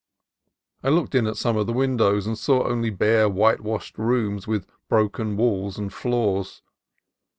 I looked in at some of the windows, and saw only bare whitewashed rooms with broken walls and floors.